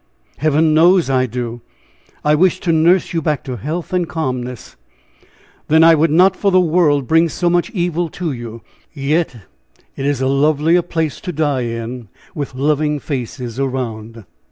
"Heaven knows I do! I wish to nurse you back to health and calmness." "Then I would not for the world bring so much evil to you! Yet it is a lovelier place to die in, with loving faces around."